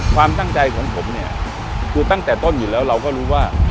ความตั้งใจของผมเนี่ยคือตั้งแต่ต้นอยู่แล้วเราก็รู้ว่า